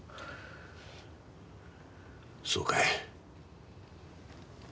そうかい。